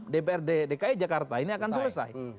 dua puluh enam dprd dki jakarta ini akan selesai